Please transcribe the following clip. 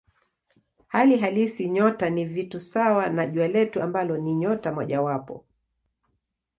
Hali halisi nyota ni vitu sawa na Jua letu ambalo ni nyota mojawapo.